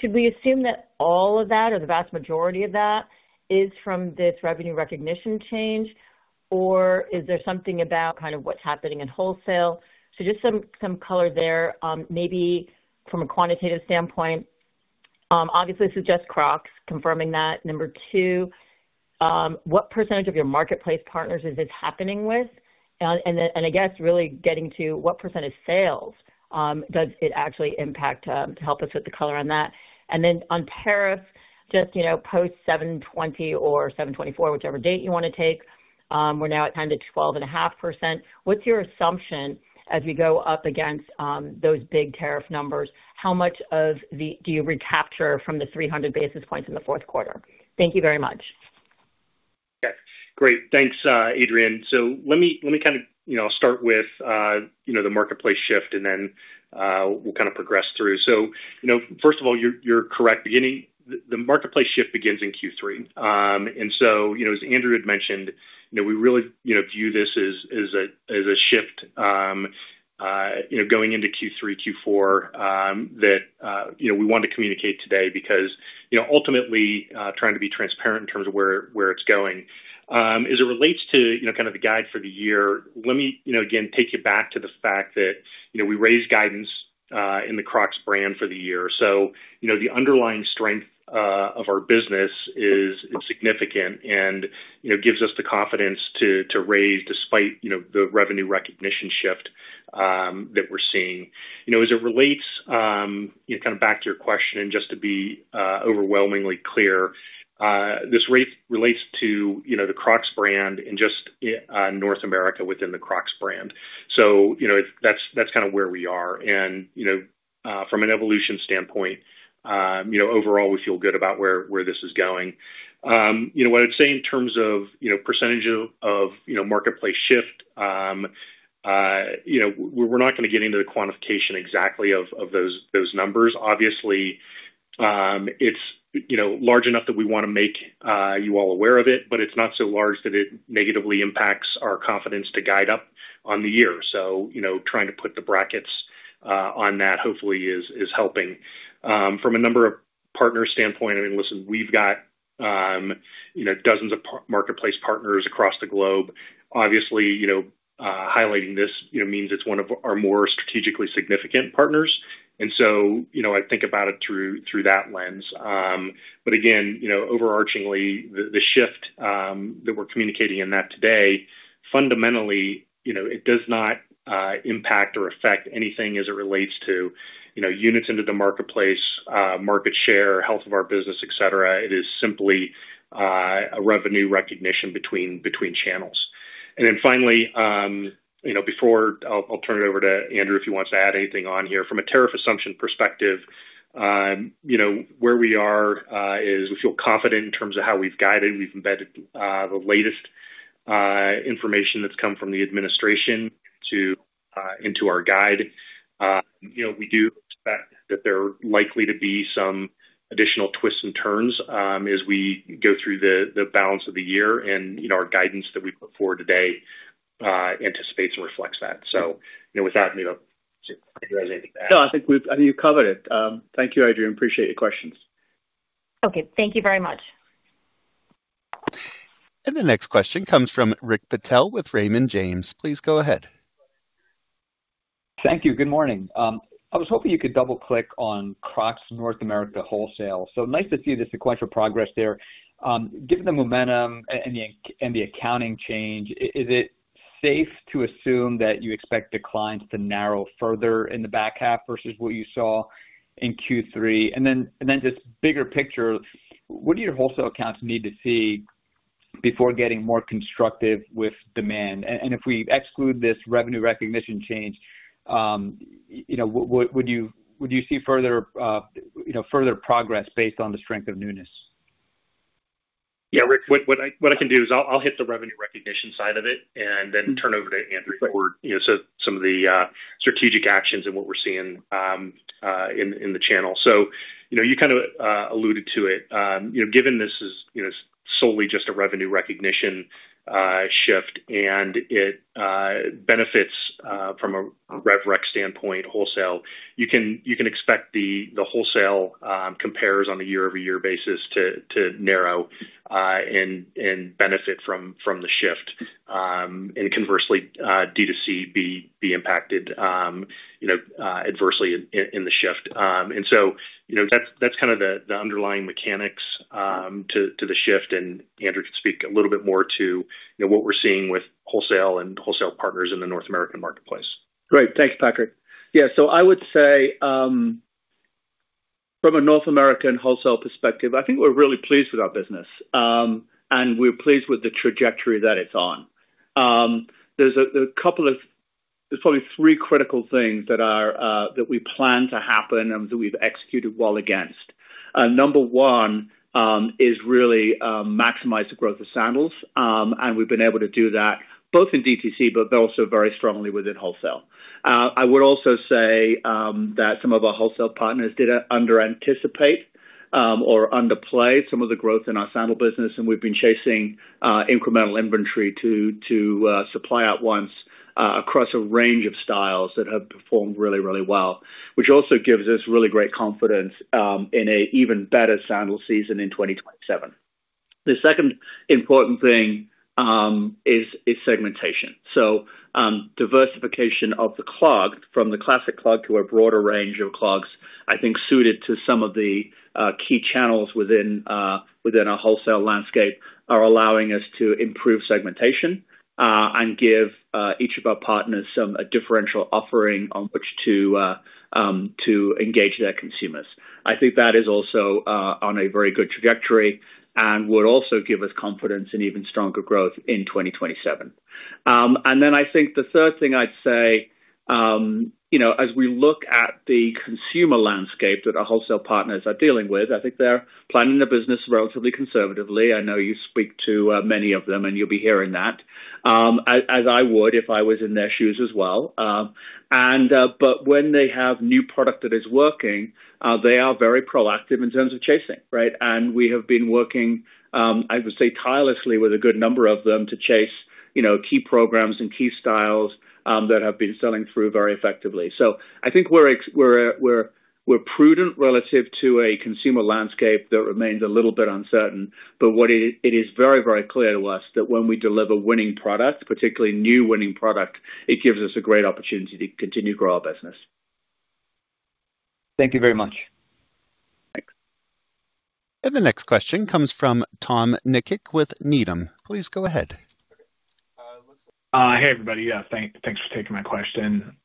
Should we assume that all of that or the vast majority of that is from this revenue recognition change, or is there something about what's happening in wholesale? Just some color there, maybe from a quantitative standpoint. Obviously, this is just Crocs confirming that. Number two, what percentage of your marketplace partners is this happening with? I guess really getting to, what percentage sales does it actually impact? Help us with the color on that. Then on tariffs, just post 720 or 724, whichever date you want to take. We're now at kind of 12.5%. What's your assumption as we go up against those big tariff numbers? How much do you recapture from the 300 basis points in the fourth quarter? Thank you very much. Great. Thanks, Adrienne. Let me start with the marketplace shift, then we'll progress through. First of all, you're correct. The marketplace shift begins in Q3. As Andrew had mentioned, we really view this as a shift going into Q3, Q4 that we want to communicate today because ultimately trying to be transparent in terms of where it's going. As it relates to the guide for the year, let me again take you back to the fact that we raised guidance in the Crocs brand for the year. The underlying strength of our business is significant and gives us the confidence to raise despite the revenue recognition shift that we're seeing. As it relates back to your question, and just to be overwhelmingly clear, this relates to the Crocs brand and just North America within the Crocs brand. That's where we are. From an evolution standpoint, overall, we feel good about where this is going. What I'd say in terms of percentage of marketplace shift, we're not going to get into the quantification exactly of those numbers. Obviously, it's large enough that we want to make you all aware of it, but it's not so large that it negatively impacts our confidence to guide up on the year. Trying to put the brackets on that hopefully is helping. From a number of partners' standpoint, listen, we've got dozens of marketplace partners across the globe. Obviously, highlighting this means it's one of our more strategically significant partners. I think about it through that lens. Again, overarchingly, the shift that we're communicating in that today, fundamentally, it does not impact or affect anything as it relates to units into the marketplace, market share, health of our business, et cetera. It is simply a revenue recognition between channels. Then finally, before I'll turn it over to Andrew if he wants to add anything on here. From a tariff assumption perspective, where we are is we feel confident in terms of how we've guided. We've embedded the latest information that's come from the administration into our guide. We do expect that there are likely to be some additional twists and turns as we go through the balance of the year, and our guidance that we put forward today anticipates and reflects that. With that, Andrew, I don't know if you want to add anything to that. I think you covered it. Thank you, Adrienne. Appreciate your questions. Okay. Thank you very much. The next question comes from Rick Patel with Raymond James. Please go ahead. Thank you. Good morning. I was hoping you could double-click on Crocs North America wholesale. Nice to see the sequential progress there. Given the momentum and the accounting change, is it safe to assume that you expect declines to narrow further in the back half versus what you saw in Q3? Just bigger picture, what do your wholesale accounts need to see before getting more constructive with demand? If we exclude this revenue recognition change, would you see further progress based on the strength of newness? Yeah, Rick, what I can do is I'll hit the revenue recognition side of it and then turn over to Andrew for some of the strategic actions and what we're seeing in the channel. You kind of alluded to it. Solely just a revenue recognition shift, and it benefits from a rev rec standpoint wholesale. You can expect the wholesale compares on a year-over-year basis to narrow and benefit from the shift. Conversely, D2C be impacted adversely in the shift. That's kind of the underlying mechanics to the shift, and Andrew can speak a little bit more to what we're seeing with wholesale and wholesale partners in the North American marketplace. Great. Thanks, Patraic. I would say, from a North American wholesale perspective, I think we're really pleased with our business, and we're pleased with the trajectory that it's on. There's probably three critical things that we plan to happen and that we've executed well against. Number one is really maximize the growth of sandals. We've been able to do that both in DTC, but also very strongly within wholesale. I would also say that some of our wholesale partners did under-anticipate or underplay some of the growth in our sandal business, and we've been chasing incremental inventory to supply at once across a range of styles that have performed really, really well, which also gives us really great confidence in an even better sandal season in 2027. The second important thing is segmentation. Diversification of the clog from the Classic Clog to a broader range of clogs, I think suited to some of the key channels within our wholesale landscape are allowing us to improve segmentation, and give each of our partners some differential offering on which to engage their consumers. I think that is also on a very good trajectory and would also give us confidence in even stronger growth in 2027. I think the third thing I'd say, as we look at the consumer landscape that our wholesale partners are dealing with, I think they're planning their business relatively conservatively. I know you speak to many of them, and you'll be hearing that. As I would if I was in their shoes as well. When they have new product that is working, they are very proactive in terms of chasing, right? We have been working, I would say, tirelessly with a good number of them to chase key programs and key styles that have been selling through very effectively. I think we're prudent relative to a consumer landscape that remains a little bit uncertain. It is very, very clear to us that when we deliver winning product, particularly new winning product, it gives us a great opportunity to continue to grow our business. Thank you very much. Thanks. The next question comes from Tom Nikic with Needham. Please go ahead. Hey, everybody. Yeah, thanks for taking my question.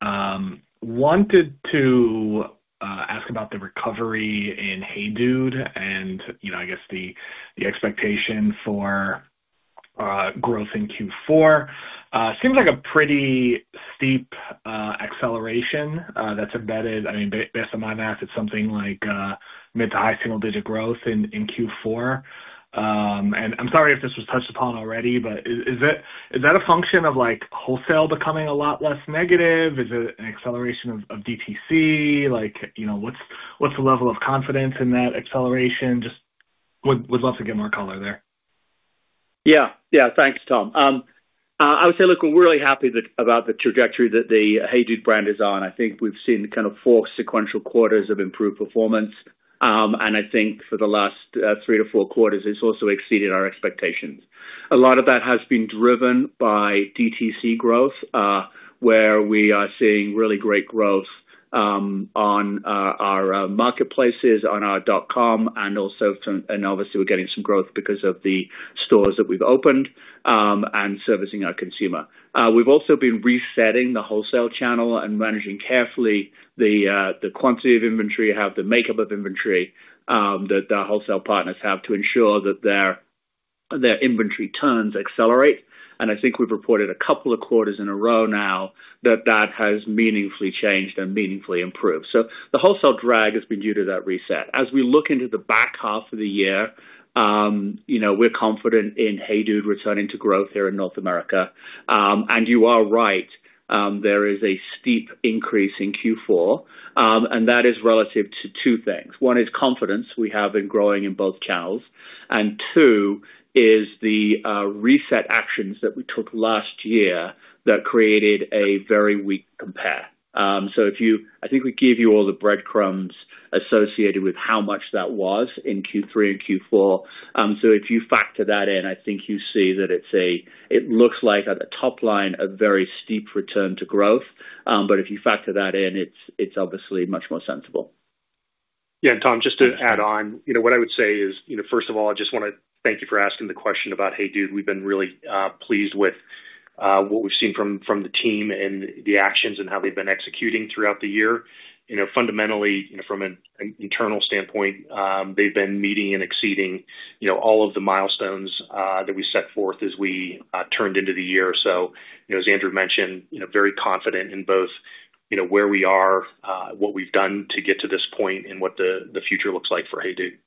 Wanted to ask about the recovery in HEYDUDE and I guess the expectation for growth in Q4. Seems like a pretty steep acceleration that's embedded. Based on my math, it's something like mid to high single-digit growth in Q4. I'm sorry if this was touched upon already, but is that a function of wholesale becoming a lot less negative? Is it an acceleration of DTC? What's the level of confidence in that acceleration? Just would love to get more color there. Yeah. Thanks, Tom. I would say, look, we're really happy about the trajectory that the HEYDUDE brand is on. I think we've seen kind of four sequential quarters of improved performance. I think for the last three to four quarters, it's also exceeded our expectations. A lot of that has been driven by DTC growth, where we are seeing really great growth on our marketplaces, on our .com, and obviously we're getting some growth because of the stores that we've opened, and servicing our consumer. We've also been resetting the wholesale channel and managing carefully the quantity of inventory we have, the makeup of inventory that our wholesale partners have to ensure that their inventory turns accelerate. I think we've reported a couple of quarters in a row now that that has meaningfully changed and meaningfully improved. The wholesale drag has been due to that reset. As we look into the back half of the year, we're confident in HEYDUDE returning to growth here in North America. You are right, there is a steep increase in Q4, and that is relative to two things. One is confidence we have in growing in both channels. Two is the reset actions that we took last year that created a very weak compare. I think we gave you all the breadcrumbs associated with how much that was in Q3 and Q4. If you factor that in, I think you see that it looks like at the top line, a very steep return to growth. If you factor that in, it's obviously much more sensible. Yeah, Tom, just to add on. What I would say is, first of all, I just want to thank you for asking the question about HEYDUDE. We've been really pleased with what we've seen from the team and the actions and how they've been executing throughout the year. Fundamentally, from an internal standpoint, they've been meeting and exceeding all of the milestones that we set forth as we turned into the year. As Andrew mentioned, very confident in both where we are, what we've done to get to this point, and what the future looks like for HEYDUDE.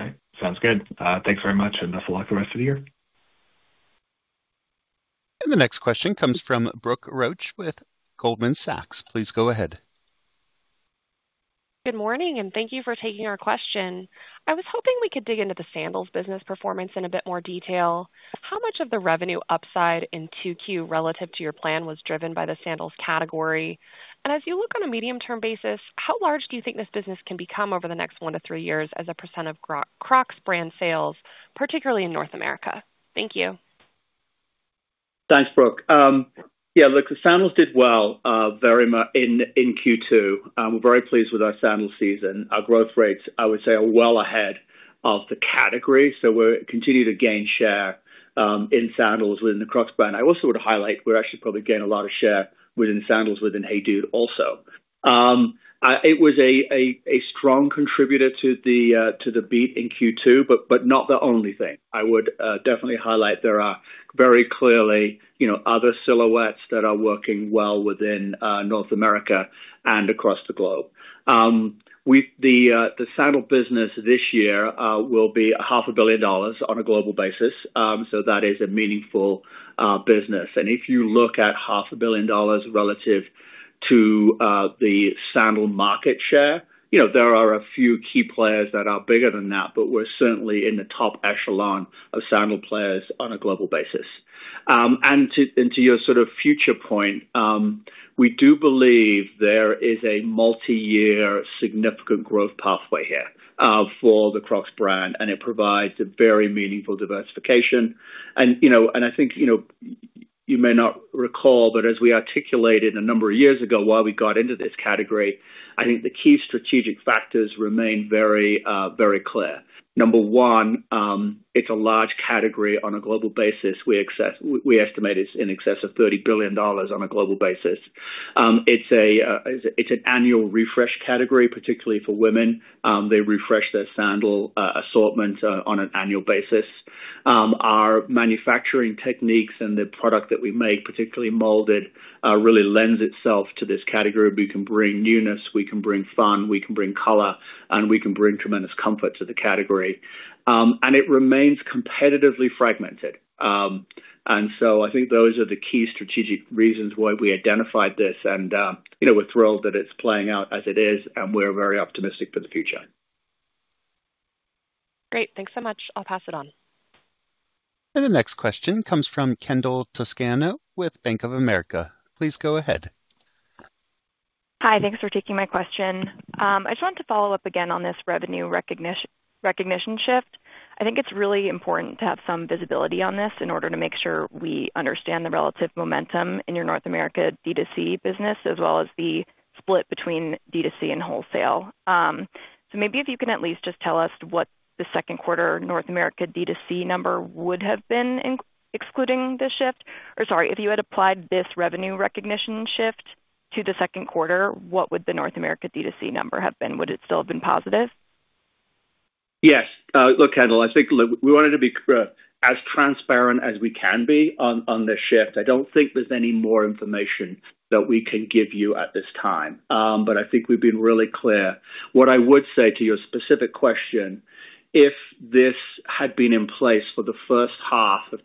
Okay. Sounds good. Thanks very much, and good luck the rest of the year. The next question comes from Brooke Roach with Goldman Sachs. Please go ahead. Good morning, thank you for taking our question. I was hoping we could dig into the sandals business performance in a bit more detail. How much of the revenue upside in Q2 relative to your plan was driven by the sandals category? As you look on a medium-term basis, how large do you think this business can become over the next one to three years as a percent of Crocs brand sales, particularly in North America? Thank you. Thanks, Brooke. Look, the sandals did well in Q2. We're very pleased with our sandal season. Our growth rates, I would say, are well ahead of the category. We're continuing to gain share in sandals within the Crocs brand. I also would highlight we're actually probably gaining a lot of share within sandals within HEYDUDE also. It was a strong contributor to the beat in Q2. Not the only thing. I would definitely highlight there are very clearly other silhouettes that are working well within North America and across the globe. The sandal business this year will be half a billion dollars on a global basis. That is a meaningful business. If you look at half a billion dollars relative to the sandal market share, there are a few key players that are bigger than that. We're certainly in the top echelon of sandal players on a global basis. To your future point, we do believe there is a multi-year significant growth pathway here for the Crocs brand. It provides a very meaningful diversification. I think you may not recall. As we articulated a number of years ago while we got into this category, I think the key strategic factors remain very clear. Number one, it's a large category on a global basis. We estimate it's in excess of $30 billion on a global basis. It's an annual refresh category, particularly for women. They refresh their sandal assortment on an annual basis. Our manufacturing techniques and the product that we make, particularly molded, really lends itself to this category. We can bring newness, we can bring fun, we can bring color, and we can bring tremendous comfort to the category. It remains competitively fragmented. I think those are the key strategic reasons why we identified this. We're thrilled that it's playing out as it is. We're very optimistic for the future. Great. Thanks so much. I'll pass it on. The next question comes from Kendall Toscano with Bank of America. Please go ahead. Hi. Thanks for taking my question. I just wanted to follow up again on this revenue recognition shift. I think it's really important to have some visibility on this in order to make sure we understand the relative momentum in your North America D2C business, as well as the split between D2C and wholesale. Maybe if you can at least just tell us what the second quarter North America D2C number would have been excluding this shift, or sorry, if you had applied this revenue recognition shift to the second quarter, what would the North America D2C number have been? Would it still have been positive? Yes. Look, Kendall, I think we wanted to be as transparent as we can be on this shift. I don't think there's any more information that we can give you at this time. I think we've been really clear. What I would say to your specific question, if this had been in place for the first half of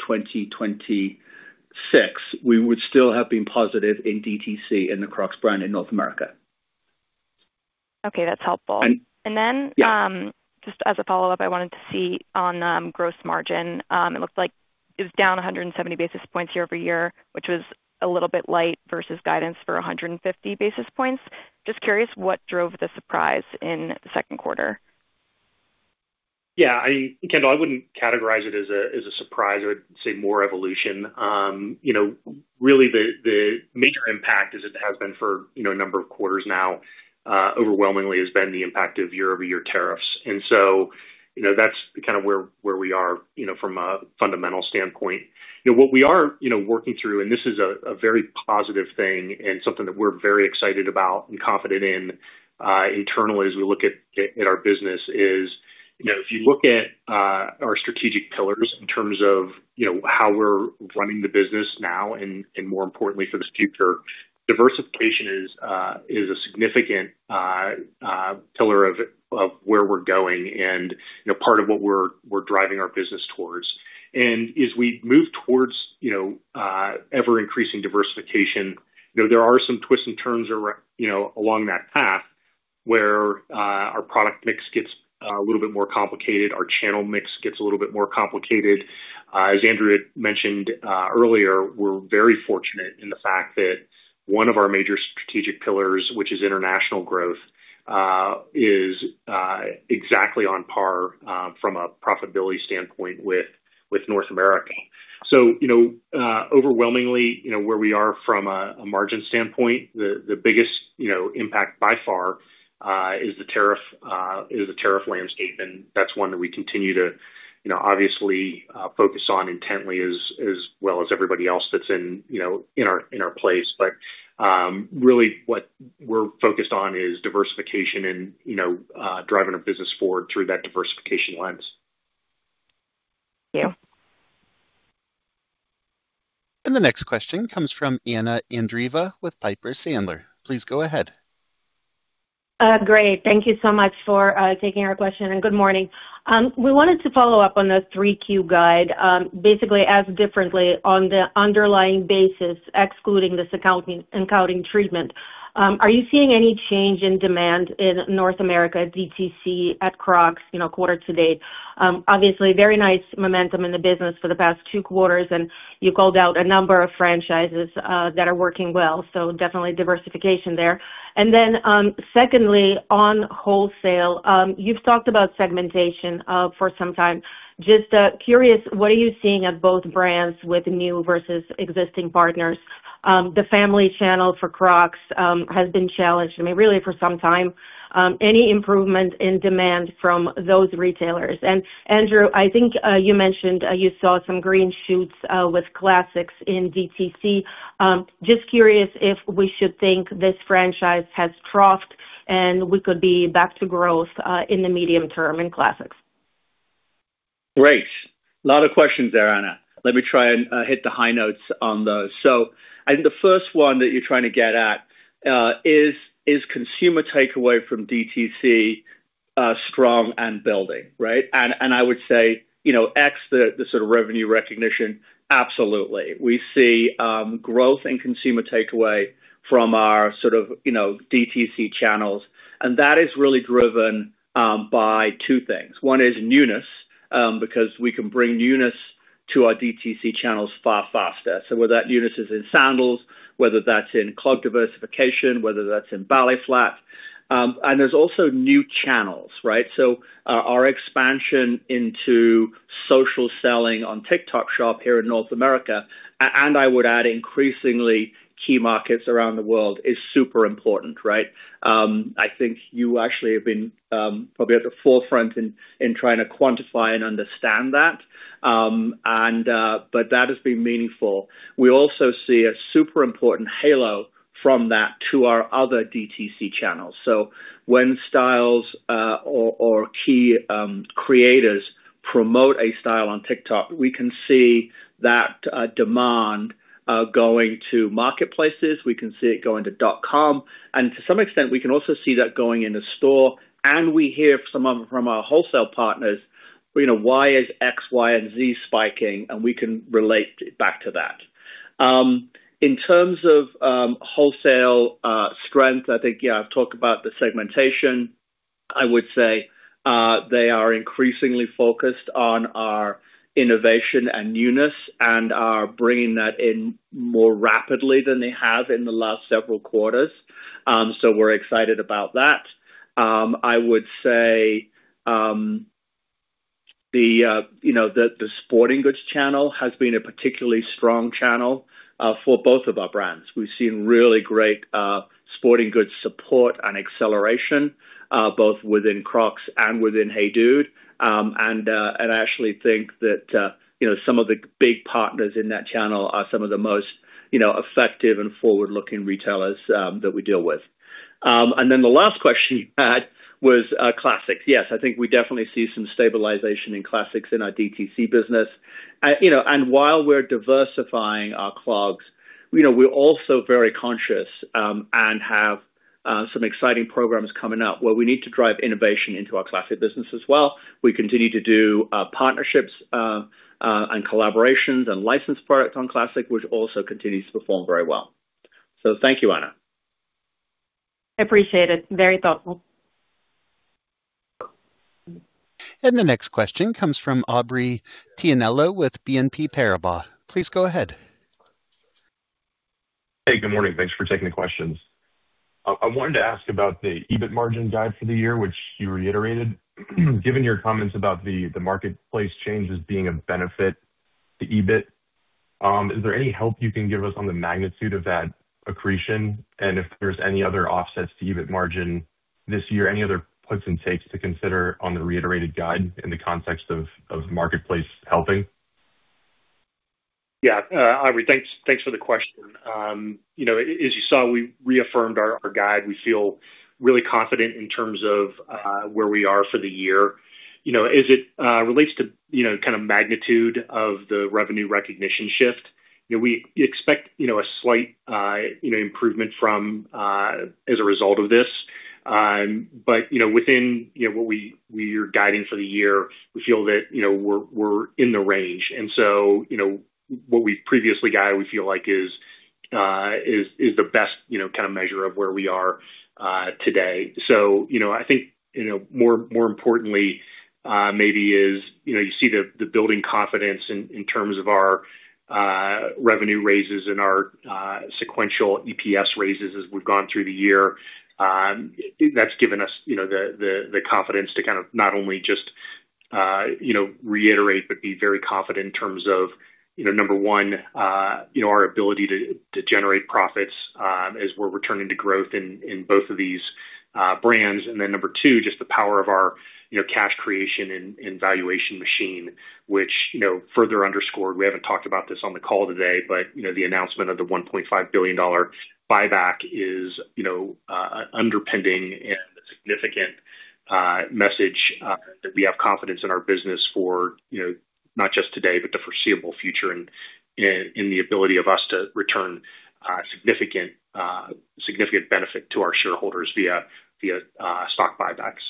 2026, we would still have been positive in DTC in the Crocs brand in North America. Okay, that's helpful. And- And then- Yeah Just as a follow-up, I wanted to see on gross margin. It looked like it was down 170 basis points year-over-year, which was a little bit light versus guidance for 150 basis points. Just curious what drove the surprise in the second quarter. Yeah, I mean, Kendall, I wouldn't categorize it as a surprise. I would say more evolution. Really the major impact as it has been for a number of quarters now overwhelmingly has been the impact of year-over-year tariffs. That's kind of where we are from a fundamental standpoint. What we are working through, and this is a very positive thing and something that we're very excited about and confident in internally as we look at our business is, if you look at our strategic pillars in terms of how we're running the business now and more importantly for this future, diversification is a significant pillar of where we're going and part of what we're driving our business towards. As we move towards ever-increasing diversification, there are some twists and turns along that path where our product mix gets a little bit more complicated, our channel mix gets a little bit more complicated. As Andrew had mentioned earlier, we are very fortunate in the fact that one of our major strategic pillars, which is international growth, is exactly on par from a profitability standpoint with North America. Overwhelmingly, where we are from a margin standpoint, the biggest impact by far is the tariff landscape, and that's one that we continue to obviously focus on intently as well as everybody else that's in our place. Really what we are focused on is diversification and driving our business forward through that diversification lens. Thank you. The next question comes from Anna Andreeva with Piper Sandler. Please go ahead. Great. Thank you so much for taking our question, and good morning. We wanted to follow up on the 3Q guide, basically ask differently on the underlying basis, excluding this accounting treatment. Are you seeing any change in demand in North America DTC at Crocs quarter to date? Obviously, very nice momentum in the business for the past two quarters, and you called out a number of franchises that are working well. Definitely diversification there. Then secondly, on wholesale, you have talked about segmentation for some time. Just curious, what are you seeing at both brands with new versus existing partners? The family channel for Crocs has been challenged, really for some time. Any improvement in demand from those retailers? Andrew, I think you mentioned you saw some green shoots with classics in DTC. Just curious if we should think this franchise has troughed and we could be back to growth in the medium term in classics. Great. Lot of questions there, Anna. Let me try and hit the high notes on those. I think the first one that you're trying to get at is consumer takeaway from DTC strong and building, right? I would say, ex the sort of revenue recognition, absolutely. We see growth in consumer takeaway from our DTC channels, and that is really driven by two things. One is newness, because we can bring newness to our DTC channels far faster. Whether that newness is in sandals, whether that's in clog diversification, whether that's in ballet flat. There's also new channels, right? Our expansion into social selling on TikTok Shop here in North America, and I would add increasingly key markets around the world, is super important, right? I think you actually have been probably at the forefront in trying to quantify and understand that has been meaningful. We also see a super important halo from that to our other DTC channels. When styles or key creators promote a style on TikTok, we can see that demand going to marketplaces, we can see it going to dot com, and to some extent, we can also see that going in a store, and we hear from our wholesale partners, "Why is X, Y, and Z spiking?" We can relate back to that. In terms of wholesale strength, I think, yeah, I've talked about the segmentation. I would say they are increasingly focused on our innovation and newness and are bringing that in more rapidly than they have in the last several quarters. We're excited about that. I would say the sporting goods channel has been a particularly strong channel for both of our brands. We've seen really great sporting goods support and acceleration, both within Crocs and within HEYDUDE. I actually think that some of the big partners in that channel are some of the most effective and forward-looking retailers that we deal with. Then the last question you had was classics. Yes, I think we definitely see some stabilization in classics in our DTC business. While we're diversifying our clogs, we're also very conscious and have some exciting programs coming up where we need to drive innovation into our classic business as well. We continue to do partnerships and collaborations and licensed products on classic, which also continues to perform very well. Thank you, Anna. Appreciate it. Very thoughtful. The next question comes from Aubrey Tianello with BNP Paribas. Please go ahead. Hey, good morning. Thanks for taking the questions. I wanted to ask about the EBIT margin guide for the year, which you reiterated. Given your comments about the marketplace changes being of benefit to EBIT, is there any help you can give us on the magnitude of that accretion? If there's any other offsets to EBIT margin this year, any other puts and takes to consider on the reiterated guide in the context of marketplace helping? Yeah. Aubrey, thanks for the question. As you saw, we reaffirmed our guide. We feel really confident in terms of where we are for the year. As it relates to kind of magnitude of the revenue recognition shift, we expect a slight improvement as a result of this. Within what we are guiding for the year, we feel that we're in the range. What we previously guided, we feel like is the best kind of measure of where we are today. I think more importantly maybe is you see the building confidence in terms of our revenue raises and our sequential EPS raises as we've gone through the year. That's given us the confidence to kind of not only just reiterate, but be very confident in terms of, number one, our ability to generate profits as we're returning to growth in both of these brands. Number two, just the power of our cash creation and valuation machine, which further underscored, we haven't talked about this on the call today, but the announcement of the $1.5 billion buyback is underpinning and a significant message that we have confidence in our business for not just today, but the foreseeable future, and the ability of us to return significant benefit to our shareholders via stock buybacks.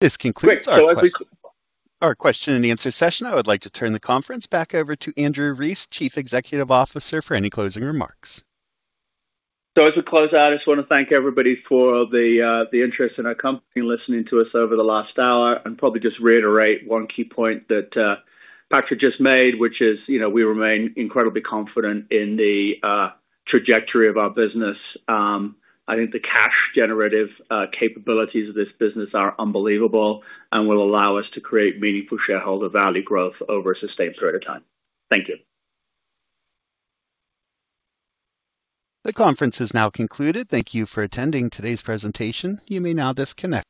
This concludes- Great. I think- Our question and answer session. I would like to turn the conference back over to Andrew Rees, Chief Executive Officer, for any closing remarks. As we close out, I just want to thank everybody for the interest in our company and listening to us over the last hour, and probably just reiterate one key point that Patraic just made, which is we remain incredibly confident in the trajectory of our business. I think the cash generative capabilities of this business are unbelievable and will allow us to create meaningful shareholder value growth over a sustained period of time. Thank you. The conference is now concluded. Thank you for attending today's presentation. You may now disconnect.